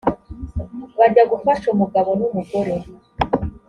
bajya gufasha umugabo n’umugore